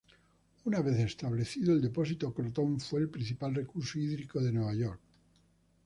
Una vez establecido, el depósito Croton fue el principal recurso hídrico de Nueva York.